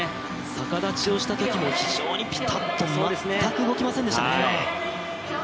逆立ちをしたときも非常にピタッと全く動きませんでしたね。